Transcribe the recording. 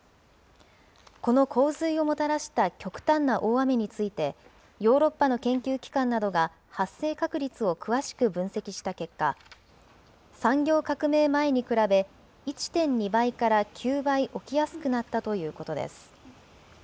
この洪水をもたらした極端な大雨について、ヨーロッパの研究機関などが発生確率を詳しく分析した結果、産業革命前に比べ、１．２倍から９倍起きやすくなったということです。